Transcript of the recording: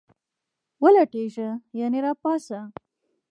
ولټیږه ..یعنی را پاڅه